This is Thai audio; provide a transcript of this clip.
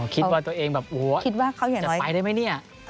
อ๋อคิดว่าตัวเองแบบโอ้โหจะไปได้ไหมนี่